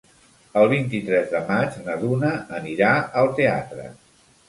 El vint-i-tres de maig na Duna anirà al teatre.